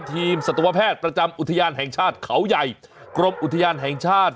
สัตวแพทย์ประจำอุทยานแห่งชาติเขาใหญ่กรมอุทยานแห่งชาติ